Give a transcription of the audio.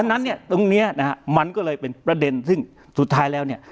นั้นเนี่ยตรงเนี้ยนะฮะมันก็เลยเป็นประเด็นซึ่งสุดท้ายแล้วเนี่ย